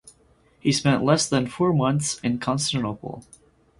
He spent less than four months in Constantinople.